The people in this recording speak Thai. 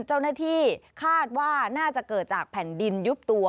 เจ้าหน้าที่คาดว่าน่าจะเกิดจากแผ่นดินยุบตัว